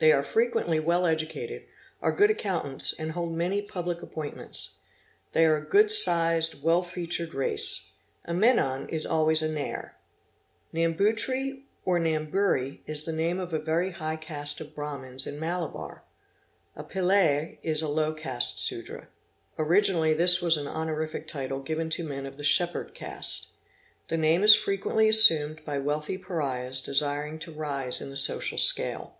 They are frequently well educated, are good account ants, and hold many public appointments. They are a good sized, well featured race. A Menon is alwaysa Nair. Nambutri or Namburi is the name of a very high caste of Brahmins in Malabar. A Pillaz is a low caste Sudra. Originally this was an honorific title given to men of the Shepherd caste. The name is frequently assumed by wealthy pariahs desiring to rise in the social scale.